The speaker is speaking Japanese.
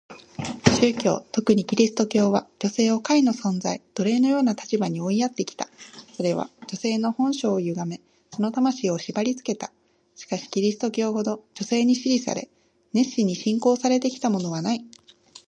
宗教、特にキリスト教は、女性を下位の存在、奴隷のような立場に追いやってきた。それは女性の本性を歪め、その魂を縛りつけた。しかしキリスト教ほど女性に支持され、熱心に信仰されてきたものはない。